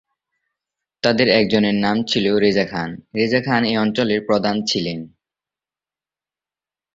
তাদের একজনের নাম ছিল রেজা খান, রেজা খান এ অঞ্চলের প্রধান ছিলেন।